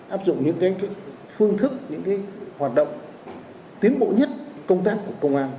áp dụng những cái phương thức những cái hoạt động tiến bộ nhất công tác của công an